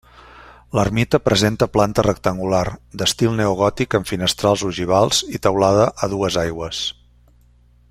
L'ermita presenta planta rectangular, d'estil neogòtic amb finestrals ogivals i teulada a dues aigües.